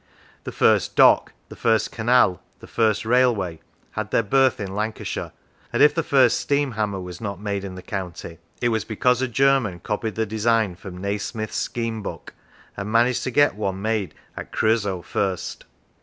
The first dock, the first canal, the first railway, had their birth in Lancashire; and if the first steam hammer was not made in the county, it was because a German copied the design from Nasmyth's " scheme book," and managed to get one made at Creuzot first.